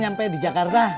nyampe di jakarta